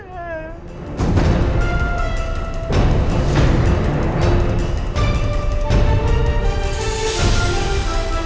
saya jadikan kepada beliau porter